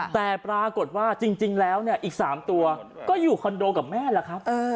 แต่ปรากฏว่าจริงแล้วเนี่ยอีก๓ตัวก็อยู่คอนโดกับแม่แหละครับ